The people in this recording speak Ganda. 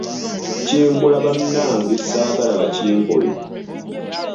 Kye nkola bannange saagala bakinkole.